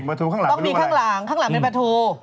ต้องมีข้างหลังข้างหลังเป็นปลาทู